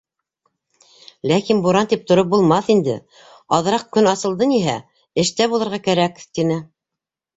Ләкин буран тип тороп булмаҫ инде, аҙыраҡ көн асылды ниһә, эштә булырға кәрәк, — тине.